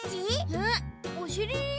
えっおしり？